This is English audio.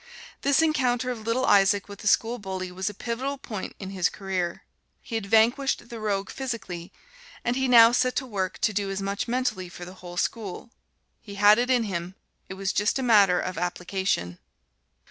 This encounter of little Isaac with the school bully was a pivotal point in his career. He had vanquished the rogue physically, and he now set to work to do as much mentally for the whole school. He had it in him it was just a matter of application.